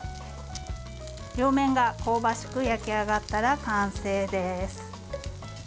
両面が香ばしく焼き上がったら完成です。